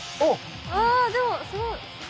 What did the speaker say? あでもすごい！